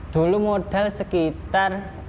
dulu modal sekitar